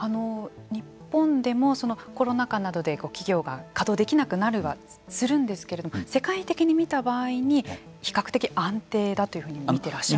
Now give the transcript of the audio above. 日本でもコロナ禍などで企業が稼動できなくなりはするんですけど世界的に見た場合に比較的安定だというふうに見てらっしゃるんですか。